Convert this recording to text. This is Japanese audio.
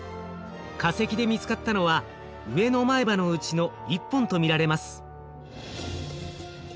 化石で見つかったのは上の前歯のうちの１本と見られます。